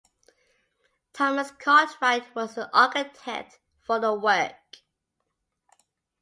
Thomas Cartwright was the architect for the work.